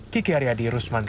kiki aryadi rusman